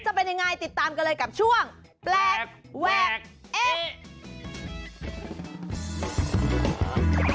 จะเป็นยังไงติดตามกันเลยกับช่วงแปลกแวกเอ๊ะ